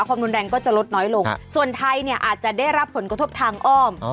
ความรุนแรงก็จะลดน้อยลงส่วนไทยเนี่ยอาจจะได้รับผลกระทบทางอ้อม